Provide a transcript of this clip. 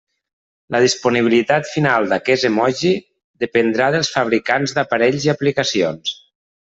La disponibilitat final d'aquest emoji dependrà dels fabricants d'aparells i aplicacions.